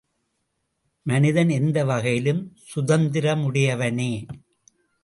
மனிதன் எந்த வகையிலும் சுதந்திரமுடையவனே.